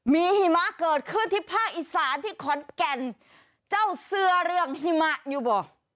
มีหิมะเกิดขึ้นที่ภาคอีสานที่ขอนแก่นเจ้าเสื้อเรื่องหิมะนิวบอก